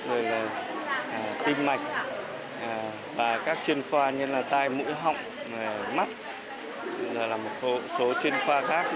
rồi là tim mạch và các chuyên khoa như là tai mũi họng mắt rồi là một số chuyên khoa khác